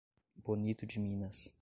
Bonito de Minas